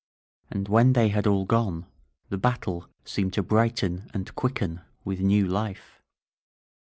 And when they had all gone the battle seemed to brighten and quicken with new life.